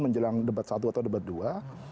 menjelang debat satu atau debat dua